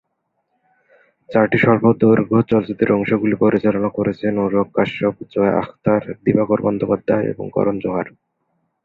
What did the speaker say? চারটি স্বল্পদৈর্ঘ্য চলচ্চিত্রের অংশগুলি পরিচালনা করেছেন অনুরাগ কাশ্যপ, জোয়া আখতার, দিবাকর বন্দ্যোপাধ্যায় এবং করণ জোহর।